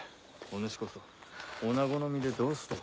お主こそおなごの身でどうして。